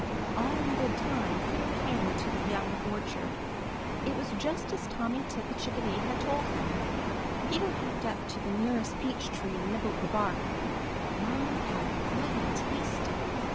All in good time Peter came to the young orchard. It was just as Tommy Tit the Chickadee had told him. Peter hopped up to the nearest peach tree and nibbled the bark. My, how good it tasted!